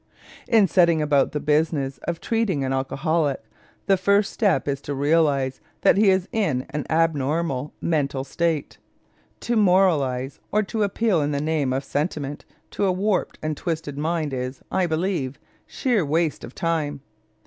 In setting about the business of treating an alcoholic, the first step is to realize that he is in an abnormal mental state. To moralize or to appeal in the name of sentiment to a warped and twisted mind is, I believe, sheer waste of time.